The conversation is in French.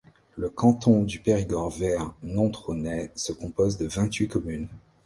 Le canton du Périgord vert nontronnais se compose de vingt-huit communes.